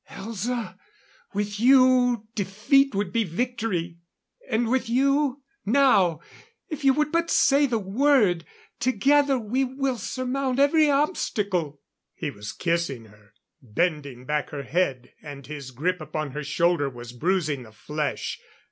"Elza! With you, defeat would be victory. And with you now if you would but say the word together we will surmount every obstacle. " He was kissing her, bending back her head, and his grip upon her shoulder was bruising the flesh.